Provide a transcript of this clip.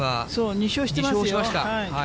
２勝しました。